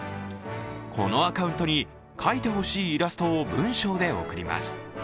このアカウントに、描いてほしいイラストを文章で送ります。